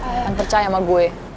jangan percaya sama gue